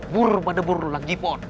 burur pada burur lagi pot